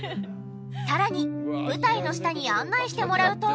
さらに舞台の下に案内してもらうと。